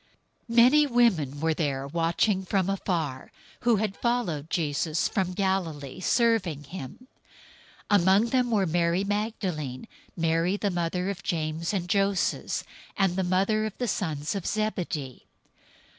027:055 Many women were there watching from afar, who had followed Jesus from Galilee, serving him. 027:056 Among them were Mary Magdalene, Mary the mother of James and Joses, and the mother of the sons of Zebedee.